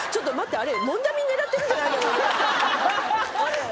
あれ。